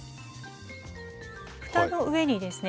蓋の上にですね